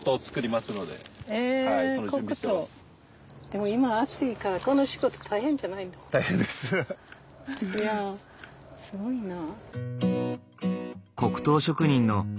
でも今暑いからこの仕事大変じゃないの？大変です。いやすごいな。